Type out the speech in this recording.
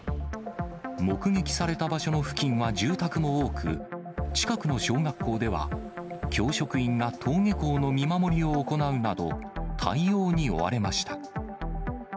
目撃された場所の付近は住宅も多く、近くの小学校では、教職員が登下校の見守りを行うなど、対応に追われました。